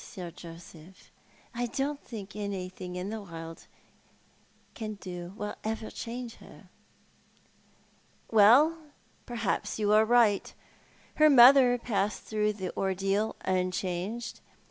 Sir Joseph. I don't think anything the world can do will ever change her." " Well, perhaps you are right. Her mother passed through the ordeal unchanged.